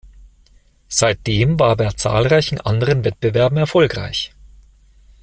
Seitdem war er bei zahlreichen anderen Wettbewerben erfolgreich.